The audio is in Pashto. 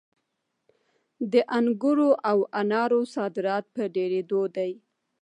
د انګورو او انارو صادرات په ډېرېدو دي.